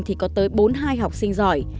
thì có tới bốn mươi hai học sinh giỏi